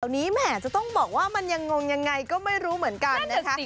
ตอนนี้แหมจะต้องบอกว่ามันยังงงยังไงก็ไม่รู้เหมือนกันนะคะ